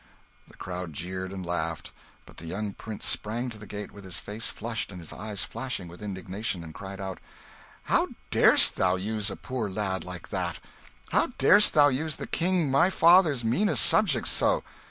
The crowd jeered and laughed; but the young prince sprang to the gate with his face flushed, and his eyes flashing with indignation, and cried out, "How dar'st thou use a poor lad like that? How dar'st thou use the King my father's meanest subject so?